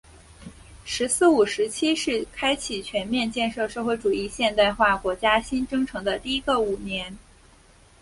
“十四五”时期是开启全面建设社会主义现代化国家新征程的第一个五年。